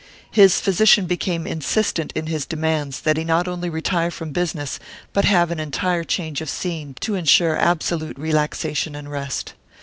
His physician became insistent in his demands that he not only retire from business, but have an entire change of scene, to insure absolute relaxation and rest.